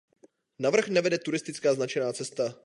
Na vrch nevede turistická značená cesta.